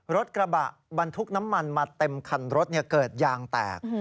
รถบรรทุกน้ำมันมาเต็มคันรถเกิดยางแตก